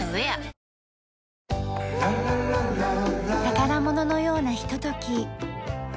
宝物のようなひととき。